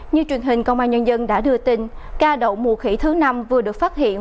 như truyền hình công an nhân dân đã đưa tin ca đậu mũ khỉ thứ năm vừa được phát hiện